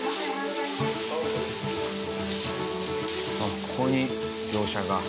あっここに業者が。